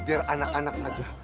biar anak anak saja